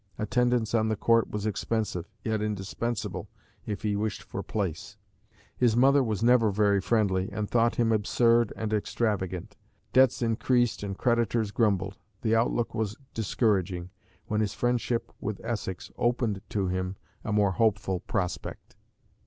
Attendance on the Court was expensive, yet indispensable, if he wished for place. His mother was never very friendly, and thought him absurd and extravagant. Debts increased and creditors grumbled. The outlook was discouraging, when his friendship with Essex opened to him a more hopeful prospect.